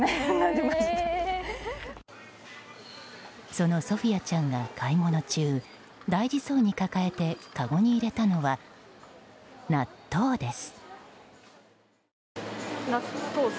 そのソフィアちゃんが買い物中大事そうに抱えてかごに入れたのは納豆です。